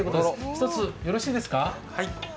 一つよろしいですか。